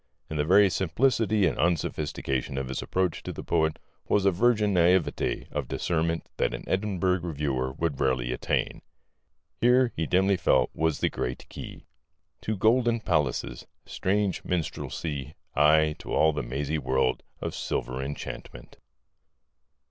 In the very simplicity and unsophistication of his approach to the poet was a virgin naïveté of discernment that an Edinburgh Reviewer would rarely attain. Here, he dimly felt, was the great key To golden palaces, strange minstrelsy, ... aye, to all the mazy world Of silvery enchantment.